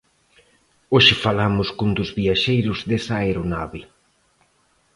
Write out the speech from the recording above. Hoxe falamos cun dos viaxeiros desa aeronave.